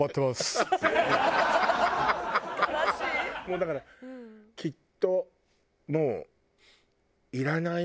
だからきっともう。